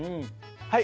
はい！